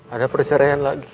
ada persyaraan lagi